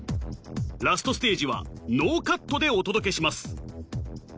ＬＡＳＴステージはノーカットでお届けします